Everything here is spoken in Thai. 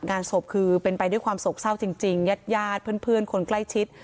งานศพคือเป็นไปด้วยความโศกเศร้าจริงญาติญาติเพื่อนคนใกล้ชิด